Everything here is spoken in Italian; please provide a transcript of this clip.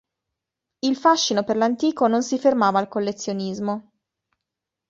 Il fascino per l'antico non si fermava al collezionismo.